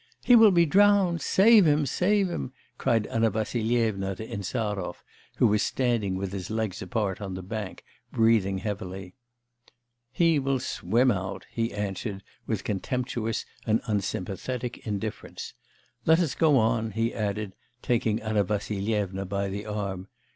'He will be drowned, save him! save him!' cried Anna Vassilyevna to Insarov, who was standing with his legs apart on the bank, breathing heavily. 'He will swim out,' he answered with contemptuous and unsympathetic indifference. 'Let us go on,' he added, taking Anna Vassilyevna by the arm.